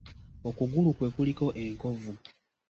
Okugulu kwe kuliko enkovu.